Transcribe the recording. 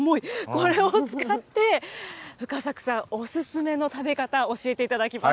これを使って、深作さんお勧めの食べ方、教えていただきます。